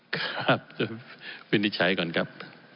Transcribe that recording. ครับวินิจฉัยก่อนครับ